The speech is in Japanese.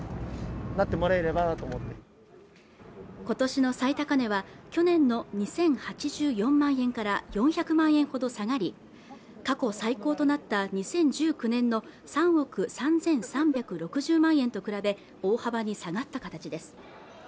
今年の最高値は去年の２０８４万円から４００万円ほど下がり過去最高となった２０１９年の３億３３６０万円と比べ大幅に下がった形です